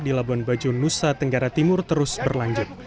di labuan bajo nusa tenggara timur terus berlanjut